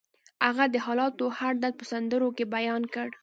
هغه د حالاتو هر درد په سندرو کې بیان کړ